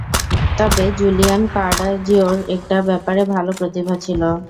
তবে জুলিয়ান ক্যাডাজিওর একটা ব্যাপারে ভালো প্রতিভা ছিল।